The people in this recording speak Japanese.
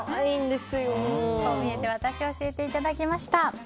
こう見えてワタシ教えていただきました。